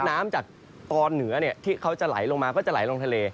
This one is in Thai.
น้ำจากตอนเหนือที่เขาจะไหลลงมาก็จะไหลลงทะเล